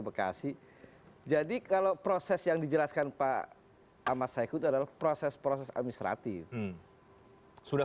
bekasi jadi kalau proses yang dijelaskan pak ahmad saikut adalah proses proses administratif sudah